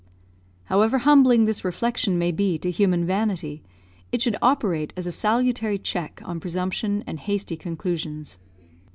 However humbling this reflection may be to human vanity, it should operate as a salutary check on presumption and hasty conclusions.